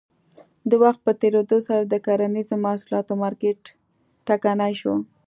د وخت په تېرېدو سره د کرنیزو محصولاتو مارکېټ ټکنی شو.